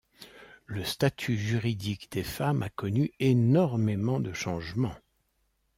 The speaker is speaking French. Le statut juridique des femmes a connu énormément de changements.